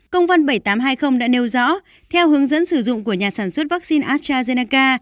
công văn bảy nghìn tám trăm hai mươi đã nêu rõ theo hướng dẫn sử dụng của nhà sản xuất vaccine astrazeneca